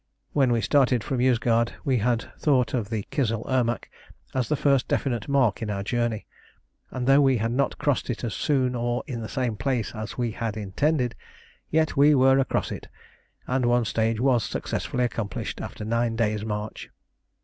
When we started from Yozgad we had thought of the Kizil Irmak as the first definite mark in our journey, and though we had not crossed it as soon or in the same place as we had intended, yet we were across it, and one stage was successfully accomplished after nine days' march.